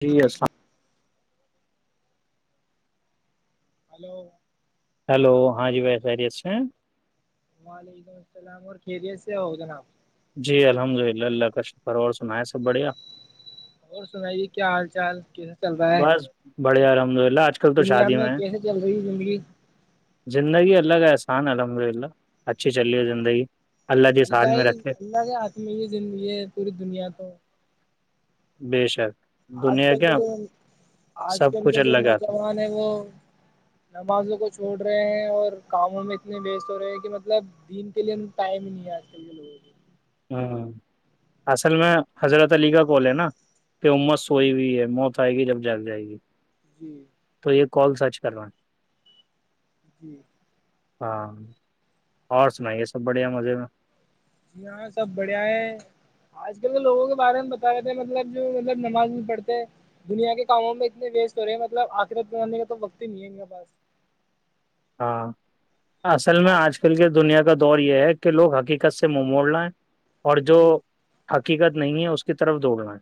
جی السل [unintelligible] hello [unintelligible] hello ہاں جی بھائی خیریت سے وعلیکم السلام اور خیریت سے ہو جناب [unintelligible] [unintelligible] اور سنائیے کیا حال چالس بس بڑیا الحمد للہ آج کل تو دنیا شادی میں ہے کیسے چل رہی ہے زندگی زندگی الگ احسان الحمد للہ اچھی چل رہ ہے زندگی جس حال اللہ میں ہی رکھے اللہ کے ہاتھ میں یہ زندگی یہ ہے پوری دنیا تو بے شک آج دنیا کل کے کیا جو آج سب کل کچھ کے جو اللہ ہاتھ نوجوان ہیں وہ نمازوں کو چھوڑ رہے ہیں اور کاموں میں اتنے وسٹ ہو رہے ہیں کہ مطلب دن کے لیے ٹائم ہی نہیں ہے آج کل کے لوگوں کو ہاں اصل میں حضرت علی کا کال ہے نا کہ امت سوئی ہوئی ہے موت آئے گی جب جگ جائے گی جی ایک کال سرچ کر جی ہاں اور سناائی یہ سب بڑھیا مزے میں جی ہاں سب بڑھیا ہے آج کل تو لوگوں کے بارے میں بتا رہے تھے مطلب جو مطلب نماز بھی پڑھتے دنیا کے کاموں میں اتنے ویسٹ ہو رہے ہیں مطلب آخرت بنانے کا تو وقت ہی نہیں ہے ان کے پاس ہاں اصل میں آج کل کی دنیا کا دور یہ ہے کہ لوگ حقیقت سے منہ موڑ لائیں اور جو جی حقیقت نہیں ہے اس کی طرف دوڑنا ہے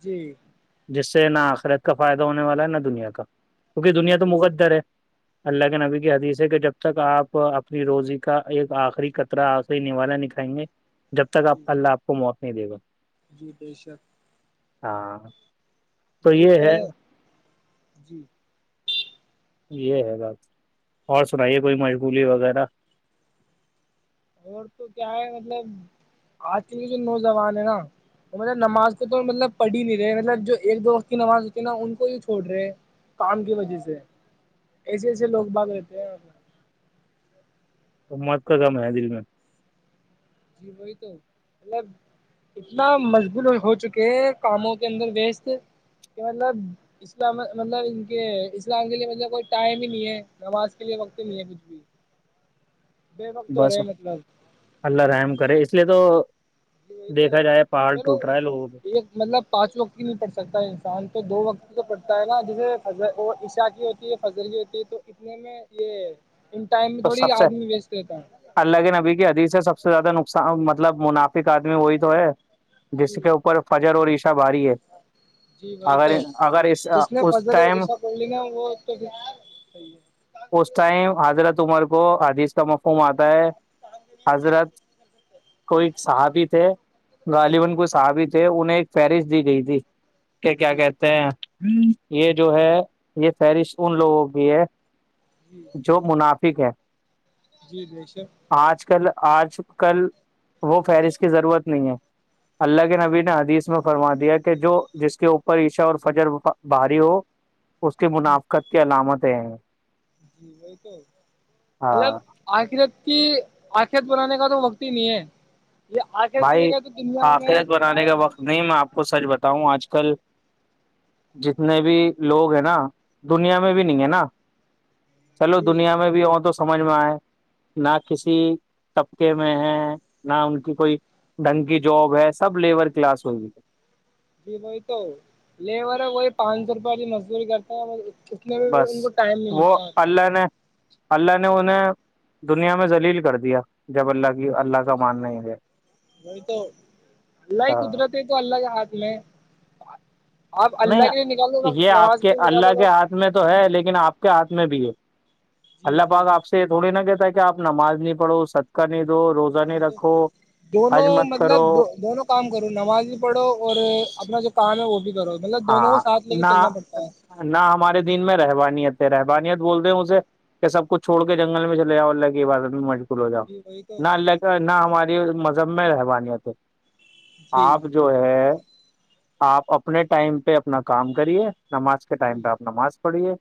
جی جس سے نہ آخرت کا فائدہ ہونے والا ہے نہ دنیا کا کیونکہ جی دنیا تو بے شک مقدر ہے اللہ کے نبی کی حدیث ہے کہ جب تک آپ اپنی روزی کا ایک آخری قطرہ آخری نوالا نکھائیں گے جب تک آپ اللہ آپ کو موت نہیں دوا جیٹیشر ہاں یہی یہ تو ہے جی یہ ہے بات اور سنائیے کوئی مشغولی وغیرہ اور تو کیا ہے مطلب آج کل کے جو نوجوان ہے نا وہ مطلب نماز کو تو مطلب پڑھی ہی نہیں رہے مطلب جو ایک دو وقت کی نماز ہوتی ہے نا ان کو ہی چھوڑ رہے کام کی وجہ سے ایسے ایسے لوگ بھاگ لیتے ہیں ا مت کا تھا میا دل میں جی وہی تو مطلب اتنا مشغول ہو چکے ہیں کاموں کے اندر ویس کہ مطلب اسلام مطلب ان کے اسلام کے لیے مطلب کوئی ٹائم ہی نہیں ہے نماز کے لیے وقت نہیں ہے کچھ بھی بے وقت ہو بس رہے مطلب اللہ رحم کرے اس لیے تو وہی تو دیکھا جائے پہاڑ چلو ٹوٹ رہا ہے لوگوں کو ایک مطلب پانچ وقت بھی نہیں پڑ سکتا انسان تو دو وقت کی تو پڑتا ہوتا ہے نا جیسےض وہ عشاء کی ہوتی ہے فضل کی ہوتی ہے تو اتنے میں یہ ان ٹائم میں تو تھوڑی سب سے آدمی ویسٹ رہتا ہے اللہ کے نبی کی حدیث سے سب سے سب سے زیادہ نقصان مطلب منافق آدمی وہی تو ہے [unintelligible] جس کے جی اوپر فجر اور اس [unintelligible] بھاری ہے جی وہی تو اگر اس جس نے ٹ فضل اور عشا پڑھ لی نا وہ تو پھر صحیح اس ٹائم حضرت [unintelligible] ر کو آدش تمک [unintelligible] م آتا ہے حضرت کو ایک ساتھ [unintelligible] تھے ہے [unintelligible] [unintelligible] تھ انہیں ایک فہرست دی گئی تھی [unintelligible] کہ کیا جی جی کہتے ہیں [unintelligible] ہ یہ جو ہے یہ فہرست ان لوگوں کی ہے [unintelligible] جی جو مناف جی جیشے آج کل آج کل وہ فہرست کی ضرورت نہیں ہے اللہ کے نبی نے حدیث میں فرما دیا کہ جو جس کے اوپر عشاء فجر بھاری ہو اس کی منافقت کی علامت تین جی وہی تو مطلب ہاں آخرت کہ آکھھیت بنانے کا تو وقت ہی نہیں ہے یہ آ کر کے بھائی جگہ تو دنیا میں آخرت بنانے ائم کا نہیں وقت میں آپ کو سچ بتاؤں آج کل جتنے بھی لوگ ہیں نا دنیا میں بھی نہیں ہے نا چلو جی دنیا میں بھی ہ تو سمجھ میں آئے نہ کسی طبقے میں ہے نہ ان کی کوئی [unintelligible] ڈنگ کی جاب ہے سب لیبر کلاس ہوئی ہے [unintelligible] جی وہی تو لیبر ہے وہی پانچ سو روپے والی مزدوری کرتا ہے [unintelligible] بھی بس ان کو ٹائم نہیں وہ ملتا مطلب اللہ نے [unintelligible] اللہ نے انہیں دنیا میں لیل کر دیا [unintelligible] کی اللہ کا ماننا ہی گیا وہ تو اللہ ہی ہاں قدرت ہے تو اللہ کے ہاتھ میں [unintelligible] نہیں اللہ کے لیے نکالو وقت یہ آپ نماز کے لیے اللہ نکالو کے وقت ہاتھ میں تو ہے لیکن آپ کے ہاتھ [unintelligible] میں بھی ہے [unintelligible] جی اللہ جی پاک آپ سے تھوڑی نہا کہ [unintelligible] کہ آ نماز نہیں پڑھو ستک نہیں [unintelligible] تو نہیں رکھو دونوں حج مت مطلب کرو دونوں کام کرو نماز بھی پڑھو اور اپنا جو کام ہے وہ [unintelligible] دونوں کو ہاں ساتھ لے کے نہ چلنا پڑتا ہے نہ ہمارے دن میں رہو [unintelligible] رہحبانیت بولتے ہیں اسے کہ سب کچھ چھوڑ کے جنل میں چے جؤ اللہ کی عبادت میں مج ہو جاؤ جی وہی تو نہ لے نہ ہماری ج میں رہحمانیت [unintelligible] جی آپ جو ہے آپ اپنے ٹائم پہ اپنا کام کریے نماز کے ٹائم جی پہ آپ نماز پڑیے [unintelligible]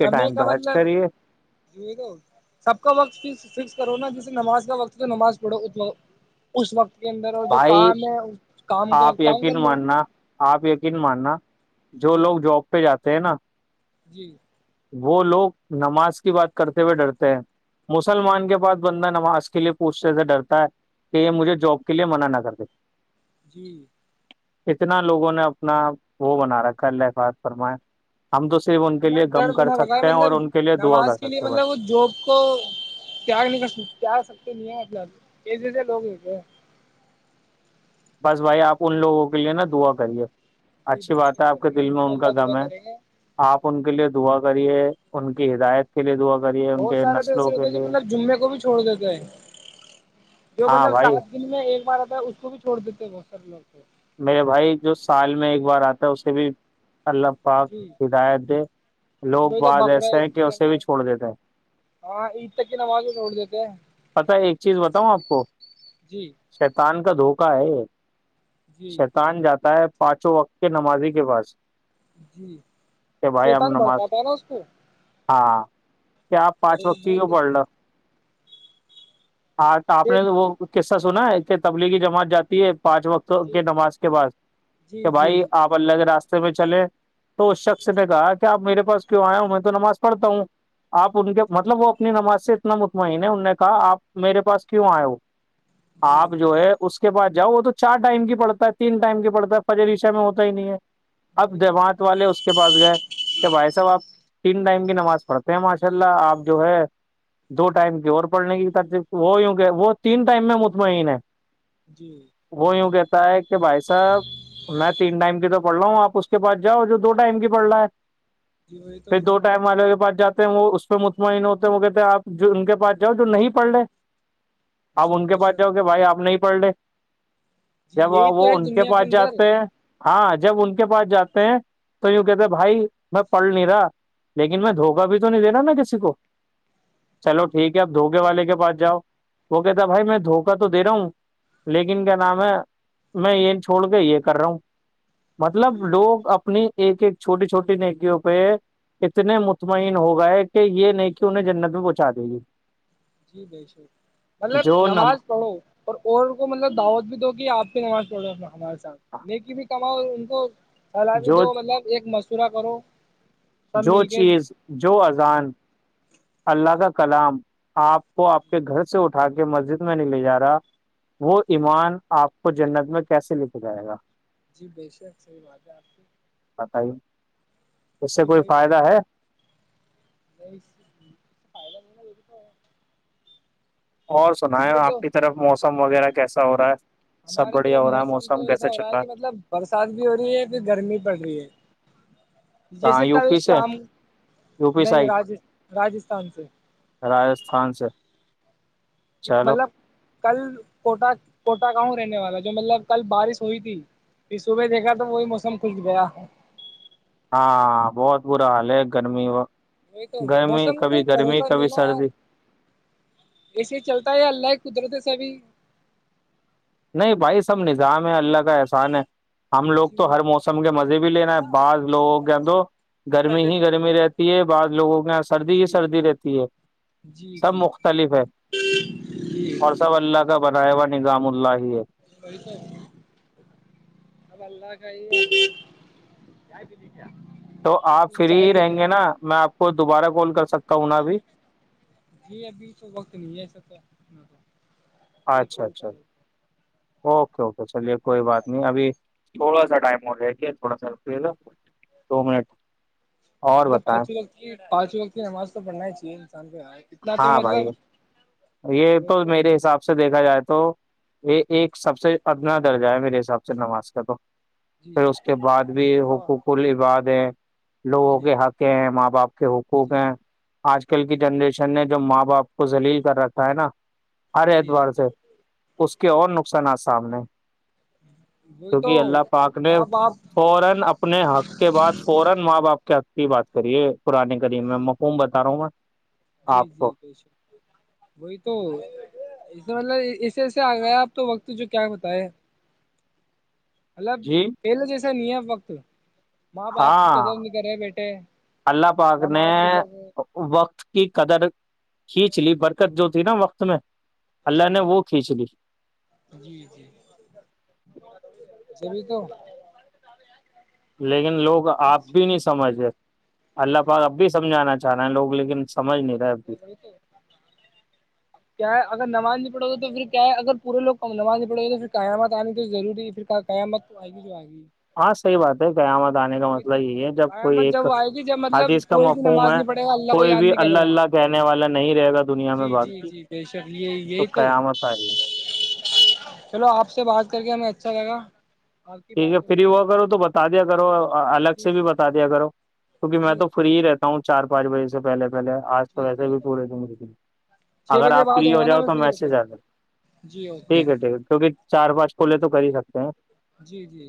سمے کا مطلب جو تو سب کا وقت ف فکس کرو نا جسے نماز وقت تو نماز پڑھو ا اس وقت کے اندر اور جو بھائی کام ہے اس کام کا آپ وقت کام یقین کر لو ماننا آپ یقین ماننا جو جی لوگ جاب پہ جاتے تھ نا [unintelligible] جی وہ لوگ نماز کی بات کرتے ہوئے ڈرتے ہیں جی مسلمان کے پاس بندہ نماز کے لیے پوچھنے سے ڈرتا ہے کہ یہ مجھے جاب کے لیے منع نہ کر د [unintelligible] جی اتنا لوگوں نے اپنا وہ بنا رکھا اللہقات فرمایا اتنا ڈر بنا لگا ہے مطلب ان کے لیے دعا نماز کر کے لیے سکتے ہیں مطلب بس وہ جوب کو تیاگ نہیں کر تگ سکتے نہیں ہے مطلب یہ جز لوگ ہو تھ بس بھائی آپ ان لوگوں کے لیے نا دعا کریے جی اچھی بے بات ہے شک آپ کریں کے گے دل ان میں شاء کا اللہ دعا غم ہے کریں گے آپ ان کے لیے دعا کریے ان کی ہدایت کے لیے دعا کریے ان بہت کے سارے تو ایسے نسلوں کے ہوتے جو لیے مطلب جمعے کو بھی چھوڑ دیتے ہے جو ہاں مطلب بھائی سات دن میں ایک بار آتا ہے اس کو بھی چھوڑ دیتے ہیں بت سب لوگ کو [unintelligible] میرے بھائی جو سال میں ایک بار آتا ہے اسے بھی اللہ پاک جی ہدایت دے جی لوگ بھائی تو بعد بکرا ایسے ہیں عید کہ کی اسے بھی نماز چھوڑ دیتے ہیں ہاں عید تک کی نماز کو چھوڑ دیتے ہیں پتا ایک چیز بتاؤں آپ کو جی شیتان کا دھوپ کا ہے [unintelligible] جی شیتان جاتا ہے پانچوں وقت کے نمازی کے پاس جی کہ بھائی آم شیطان نماز بھڑکاتا ہے نا اس کو ہاں کیا آپ اور پانچ وہ وقت کی بھڑک پڑ دیتا لو ہاں تو آپ ہے۔ جی نے وہ قصہ سنا ہے تبلیغی جمات جاتی ہے پانچ وقت جی نماز کے بعس جی کہ جی بھائی آپ اللہ کے راستے چلے تو اس شخص نے کہا کہ آپ میرے پاس کیوں آئے ہو میں تو نماز پڑھتا ہوں آپ ان کے جی مطلب وہ اپنی نماز سے اتنا مطمئن ہے ان نے کہا آپ میرے پاس کیوں آئے ہو جی آپ جو ہے اس بعس جاؤ وہ تو چار ٹائم کی [unintelligible] پڑتا ہے تین ائم پڑتا ہے فجر ریشا میں ہوتا ہی نہیں ہے [unintelligible] اب وہی تو جماعت والے اس کے پاس گئے کیا بھائی صاحب آپ تین ٹائم نماز پڑھتے ہیں ماشاء اللہ آپ جو ہے دو ٹائم کی اور پڑھنے کی وہ وہ تین ٹائم میں مطمئن ہے جی وہیوں کہ [unintelligible] س [unintelligible] کہ بھائی صاحب میں تین ٹائم کی تو پڑھ رہا ہوں آپ [unintelligible] پ اس کے بعد جاؤ جو دو ٹائم کی پڑ رہا ہے جی وہی پھر تو دو ٹائم والے کے بعد جاتے ہیں وہ اس پہ مطمئن ہوتے ہیں وہ کہتے ہیں آپ ان کے پاس جاؤ جو نہیں پڑھ لے [unintelligible] آپ جی ان کے بے پاس شک جاؤ گ بھائی آپ نے پر ڈے [unintelligible] جی جب یہی وہ تو ہے ان کے دنیا پاس اندر جاتے ہیں [unintelligible] ہاں جب ان کے پاس جاتے ہیں تو یوں کہتے بھائی میں پڑھ نہیں رہا لیکن میں دھوکا بھی تو نہیں دینا نا کسی کو چلو [unintelligible] ٹھیک ہے آپ دھوے جی والے کے پس جاؤ [unintelligible] وہ کہتا بھائی میں دھوکہ تو دے رہا ہوں لیکن کیا نام ہے میں یہ چھوڑ کے یہ کر رہا ہوں مطلب جی بے شک لوگ اپنی ایک ایک چھوٹی چھوٹی نکیوں پہ اتنے مطمئن ہو گئے کہ یہ نکی انہیں جنت میں پہنچا دے گی [unintelligible] جی ب شک مطلب جو نم نماز پڑھو اور اور کو مطلب دعوت بھی دو کہ آپ [unintelligible] نماز پڑ رہا اپنا [unintelligible] نیکی بھی کام [unintelligible] [unintelligible] الب بھی جو دو مطلب ایک مست [unintelligible] پورا کرو [unintelligible] جو مل کے چیز جو اذان [unintelligible] اللہ کا کلام آپ کو آپ کے گھر سے اٹھا کے مسجد میں نہیں لے جا رہا وہ ایمان آپ کو جنت میں کیسے لے کے جائے گا جی بے شک صحیح بات ہے آپ کی [unintelligible] بتائیوں [unintelligible] جی وہی تو نہیں [unintelligible] یہ تو ہے اس اور سنا ہے لیے آپ کی طرف موسم وغیرہ کیسے سورا سب ہماری بڑھیا طرف ہو رہا ہے موسم تو ایسا ہو رہا ہے کہ مطلب برسات بھی ہو رہی ہے پھر گرمی پڑ رہی ہے جیسے کہاں یو کل پی سے شام یو پی نہیں سائڈ راج راجستھان سے راجستھان سے چلو مطلب کل کوٹا کوٹا گؤ رہنے والا جو مطلب کل بارش ہوئی تھی پ صبح دیکھا تو وہی موسم کھل گیا ہاں بہت برا حال ہے گرمی وہ وہ تو موسم میں کوئی بھروسہ نہیں نا ار سردی ایسے چلتا ہے یا اللہ قدرت چبھی نہیں بھائی سب نظام ہے اللہ کا احسان ہے ہم لوگ تو جی ہر موسم کے مزے بھی لینا ہے بعض لوگوں کے ان تو گرمی ہی گرمی رہتی ہے بعض لوگوں کو ہ سردی ہی جی سردی رہتی ہے جی سب جی مختلف ہے جی اور سب اللہ کا بناائے ہوا نظام اللہ ہی ہے وہ تو اب اللہ خ [unintelligible] تو آپ فری ہی رہیں گے نا میں آپ کو دوبارہ کال کر سکتا ہوں ن بھیب جی ابھی تو وقت نہیں ہےساتانا تو یہ اچھا کون س اچھا رہ اوکے اوکے چلیے کوئی بات نہیں ابھی سوڑا ٹائم ہو تھڑا سا لو دو منٹ اور بتائیں پانچ وقتی نماز تو پڑنا چ ہی ہے پہ کتنا تو ہاں مطلب بھائی یہ تو میرے حساب سے دیکھا جائے تو یہ ایک سب سے ادنا درجہ ہے میرے سے حساب سے نماز کا تو پھر جی اس کے بعد بھی ہاں حقوق ال عباد ہے لوگوں جی کے حق ہیںپ کہ ہووکھو کہ جی آج کل کی جنریشن نے جب ماں باپ کو جلیل کر رکھا ہے نا سرے جی اتوار سے کے اور نقصانات سامنے وہی [inaudible] تو ماں باپ کی بات کریے پرانے قدیم میں جی مقوم بتا رہا ہوں میںا جی جی کشک وہی توے مطلب ایسے ایسے آ گیا آپ تو وقت جو کیا بتائے مطلب جی پہلے جیسے سا نہیں ہے فقت ہاں اللہ پاک نے نماز نہیں پڑھ رہے وقت کی قدر کھینچ لی برکت جو تھی نا وقت میں جی اللہ نے وہ کھینچ لی جی جی بھی کہ لیکن لوگ آپ بھی نہیں سمجھ رہ اللہ پاک اب بھی سمجھانا رہے ہیں لوگ لیکن سمجھ نہیں رہے اب بھی کیا ہے اگر نماز نہیں پڑھو گا تو پھر کیا اگر پورے لو کم نماز ن پڑے گے تو پھر قیامت آنی تو روری ہے پھر قیامت تو آئےی جو آئے گی ہاں صحی بات ہے قیامت آنے کا یہ مسئلہ تو یہی ہے جب کوئی قیامت ایک جب آئے گی جب مطلب حادیث کا کوئی بھی مفہوم نماز ہے نہیں پڑے گا اللہ کو کوئی یاد بھی نہیں اللہ کرے گا اللہ کہنے والا نہیں رہے گا دنیا میں جی جی باقی جی بے شک یہ تو یہی تو قیامت آئے چلو آپ سے بات کر کے ہمیں اچھا لگا آپ کی ٹھیک ہے باتوں سے فری ہوا کرو تو بتا دیا کرو آپ الگ جی سے بھی بتا دیا کرو کیونکہ میں جی تو فری ہی رہتا وں چار پانچ بجے سے پہل پہے آج تو جی ویسے جی بھی پورے د مے چھ اگر بجے آپ بعد فری ہوں ہو گا نا جاؤ میں تو فری میسے بتا زد دوں جی اوکے ٹھیک ہے ٹھیک ہے کیکہ چار پانچ کولے تو کر ہی سکتے ہیں جی جی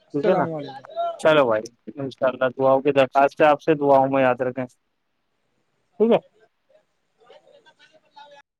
ٹھیک ہے نا اللام علیکم چلو بھائی ان شاء اللہ دعاؤں کی درخواست ہے آپ سے دعاؤں میں یاد رکھیں ٹھیک ہے